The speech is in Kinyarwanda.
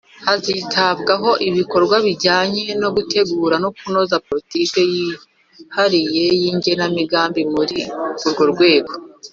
hazitabwaho ibikorwa bijyanye no gutegura/ kunoza politiki yihariye n'igenamigambi muri urwo rwego.